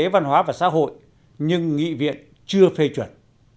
kinh tế văn hóa và xã hội nhưng nghị viện chưa phê chuẩn